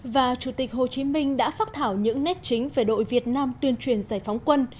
và chủ tịch hồ chí minh đã phát thảo những nét chính về đội việt nam tuyên truyền giải phóng quân